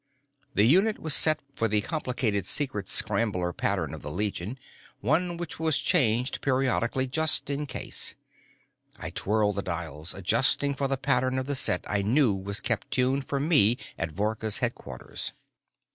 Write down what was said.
The unit was set for the complicated secret scrambler pattern of the Legion, one which was changed periodically just in case. I twirled the dials, adjusting for the pattern of the set I knew was kept tuned for me at Vorka's headquarters.